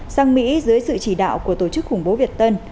sang mỹ dưới sự chỉ đạo của tổ chức khủng bố việt tân